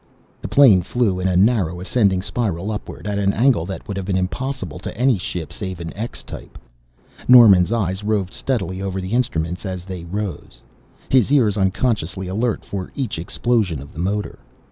The plane flew in a narrow ascending spiral upward, at an angle that would have been impossible to any ship save an X type. Norman's eyes roved steadily over the instrument as they rose, his ears unconsciously alert for each explosion of the motor.